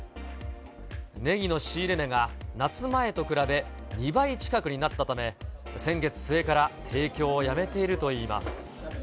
ねぎの仕入れ値が夏前と比べ、２倍近くになったため、先月末から提供をやめているといいます。